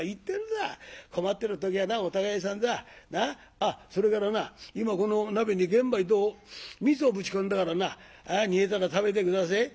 あっそれからな今この鍋に玄米とみそぶち込んだからな煮えたら食べて下せえ。